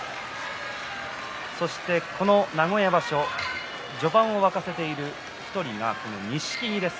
そして、この名古屋場所序盤を沸かせている１人が錦木です。